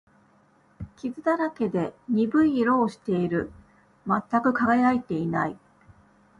傷だらけで、鈍い色をしている。全く輝いていない。